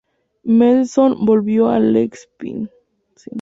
Mendelssohn volvió a Leipzig.